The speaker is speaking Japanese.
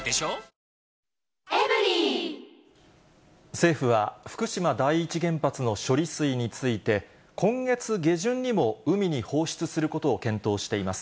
政府は福島第一原発の処理水について、今月下旬にも海に放出することを検討しています。